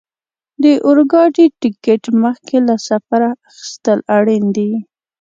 د اورګاډي ټکټ مخکې له سفره اخیستل اړین دي.